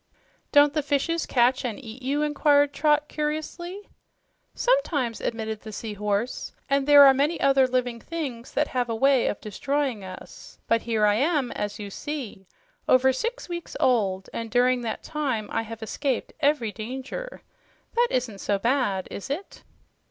"Don't the fishes catch and eat you?" inquired Trot curiously. "Sometimes," admitted the Sea Horse, "and there are many other living things that have a way of destroying us. But here I am, as you see, over six weeks old, and during that time I have escaped every danger. That isn't so bad, is it?"